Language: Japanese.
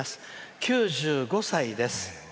９５歳です」。